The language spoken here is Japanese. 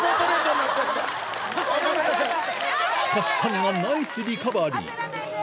しかし谷がナイスリカバリー